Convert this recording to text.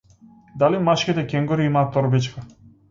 Дали машките кенгури имаат торбичка?